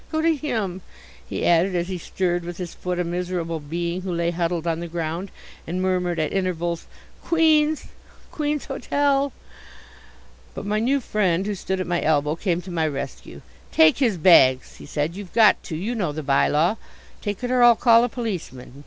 Go to him," he added, as he stirred with his foot a miserable being who lay huddled on the ground and murmured at intervals, "Queen's! Queen's Hotel." But my new friend, who stood at my elbow, came to my rescue. "Take his bags," he said, "you've got to. You know the by law. Take it or I'll call a policeman.